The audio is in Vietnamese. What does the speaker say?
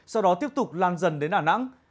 sau đó tiếp tục lan dần đến ả nẵng